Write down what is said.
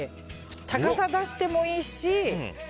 高さを出してもいいし。